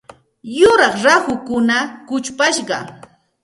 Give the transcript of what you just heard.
Yuraq rahukuna kuchupashqa.